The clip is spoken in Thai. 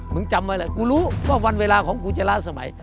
จำไว้แหละกูรู้ว่าวันเวลาของกูจะล้าสมัย